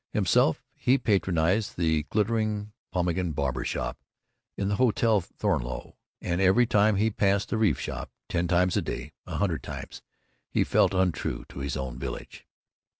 Himself, he patronized the glittering Pompeian Barber Shop in the Hotel Thornleigh, and every time he passed the Reeves shop ten times a day, a hundred times he felt untrue to his own village.